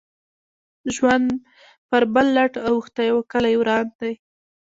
ژوند پر بل لټ اوښتی او کلی وران دی.